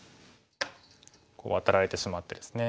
こうワタられてしまってですね。